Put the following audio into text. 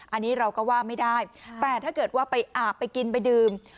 อันนี้เราก็ว่าไม่ได้แต่ถ้าเกิดว่าไปอาบไปกินไปดื่ม